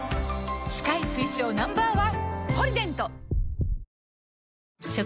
歯科医推奨 Ｎｏ．１！